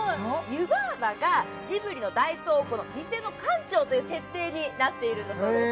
湯婆婆がジブリの大倉庫のにせの館長という設定になっているんだそうです